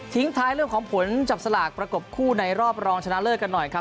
ท้ายเรื่องของผลจับสลากประกบคู่ในรอบรองชนะเลิศกันหน่อยครับ